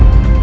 bisa diam kan